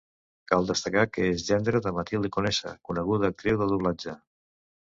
Cal destacar que és gendre de Matilde Conesa, coneguda actriu de doblatge.